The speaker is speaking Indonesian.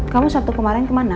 kamu sabtu kemarin kemana